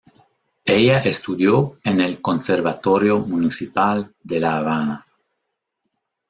Ella estudió en el Conservatorio Municipal de La Habana.